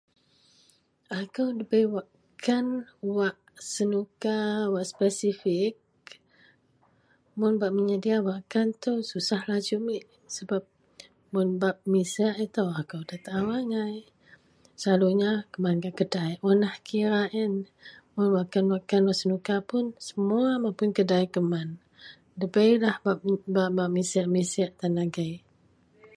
akou debei wakkan wak senuka wak spesifik, mun bak menyedia wakkan tou susahlah jumik sebab mun bab misek itou akou da taau agai, selalunya keman gak kedai unlah kira ien, mun wakkan- wakkan wak senuka pun semua mapun kedai keman, debeilah bak- bak misek-misek tan agei